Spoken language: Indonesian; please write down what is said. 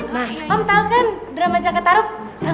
nah om tahu kan drama jakarta ruk